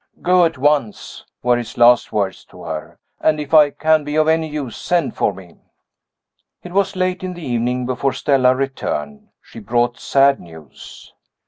"Go at once," were his last words to her; "and, if I can be of any use, send for me." It was late in the evening before Stella returned. She brought sad news.